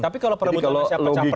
tapi kalau peruntuknya siapa